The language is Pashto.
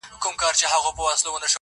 چه خبرو کښ غصه وي ځنې خلق